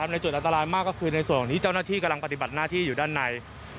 ในจุดอันตรายมากก็คือในส่วนของที่เจ้าหน้าที่กำลังปฏิบัติหน้าที่อยู่ด้านใน